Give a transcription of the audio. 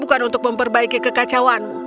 bukan untuk memperbaiki kekacauanmu